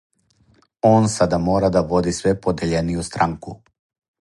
Он сада мора да води све подељенију странку.